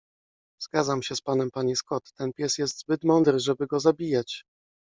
Zgadzam się z panem, panie Scott. Ten pies jest zbyt mądry, żeby go zabijać.